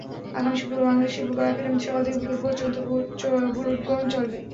আগামী শুক্রবার বাংলাদেশ শিল্পকলা একাডেমিতে সকাল থেকে বিকেল পর্যন্ত ভোট গ্রহণ চলবে।